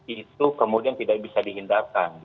itu kemudian tidak bisa dihindarkan